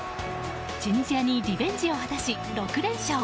チュニジアにリベンジを果たし６連勝。